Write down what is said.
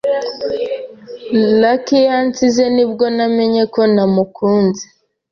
Lucy yansize ni bwo namenye ko namukunze.